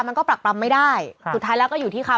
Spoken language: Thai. มันก็ปรักตำไม่ได้